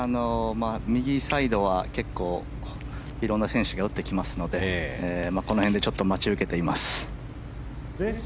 右サイドは結構、色んな選手が打ってきますのでこの辺でちょっと待ち受けています。